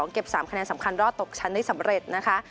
เก็บ๓คะแนนสำคัญรอดตกชั้นได้สำเร็จนะคะ